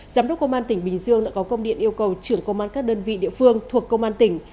giám đốc công an tỉnh bình dương đã có công điện yêu cầu trưởng công an các đơn vị địa phương thuộc công an tỉnh